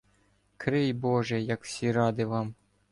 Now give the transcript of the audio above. Крий боже, як всі ради вам.